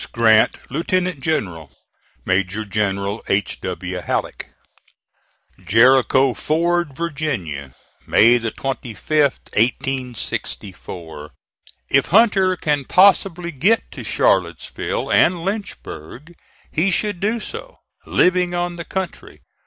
GRANT, Lieutenant General. "MAJOR GENERAL H. W. HALLECK." "JERICHO FORD, VA., May 25, 1864. "If Hunter can possibly get to Charlottesville and Lynchburg, he should do so, living on the country.